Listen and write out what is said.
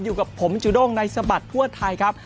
อยู่กับผมจุด้งในสบัดทั่วไทยครับ